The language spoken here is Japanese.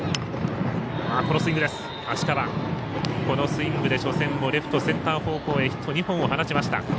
このスイングで初戦もレフト、センター方向へヒット２本を放ちました。